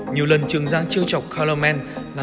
nhiều lần trường giang trêu chọc color man là người thân thiết